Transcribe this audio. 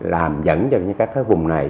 làm dẫn cho những cái vùng này